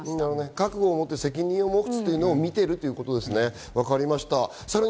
覚悟をもって責任を持つことを見ているんだということですね。